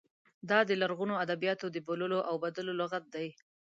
دا د لرغونو ادبیاتو د بوللو او بدلو لغت دی.